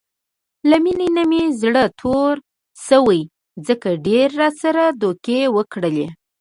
له مینې نه مې زړه تور شوی، ځکه ډېرو راسره دوکې وکړلې.